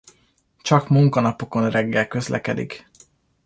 Csak munkanapokon reggel közlekedik.